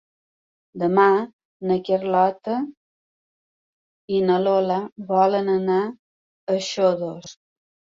Demà na Carlota i na Lola volen anar a Xodos.